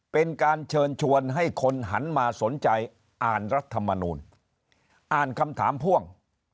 เป็นการเชิญชวนให้คนหันมาสนใจอ่านรัฐมนูลอ่านคำถามพ่วง